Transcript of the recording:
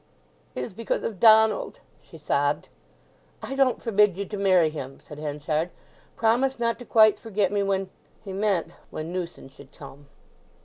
"It is because of Donald!" she sobbed. "I don't forbid you to marry him," said Henchard. "Promise not to quite forget me when——" He meant when Newson should come.